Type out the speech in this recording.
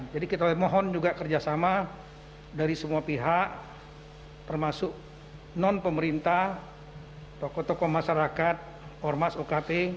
jadi kita mohon juga kerjasama dari semua pihak termasuk non pemerintah toko toko masyarakat ormas okp